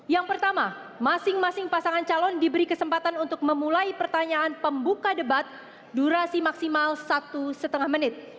yang pertama masing masing pasangan calon diberi kesempatan untuk memulai pertanyaan pembuka debat durasi maksimal satu lima menit